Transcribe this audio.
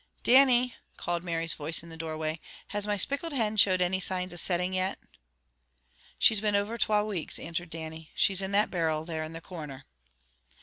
"Dannie," called Mary's voice in the doorway, "has my spickled hin showed any signs of setting yet?" "She's been over twa weeks," answered Dannie. "She's in that barrel there in the corner."